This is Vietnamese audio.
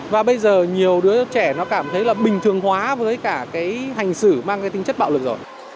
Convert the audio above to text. và bây giờ nhiều đứa trẻ nó cảm thấy là bình thường hóa với cả cái hành xử mang cái tính chất bạo lực rồi